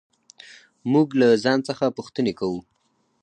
موږ له ځان څخه پوښتنې کوو.